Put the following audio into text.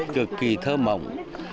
cực kỳ thơ mộng